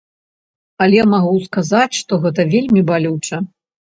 Але магу сказаць, што гэта вельмі балюча.